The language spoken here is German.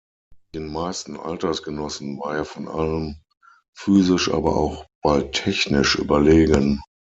Den meisten Altersgenossen war er vor allem physisch, aber auch bald technisch überlegen.